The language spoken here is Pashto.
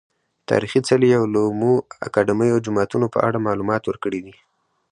تاريخي څلي، علومو اکادميو، جوماتونه په اړه معلومات ورکړي دي .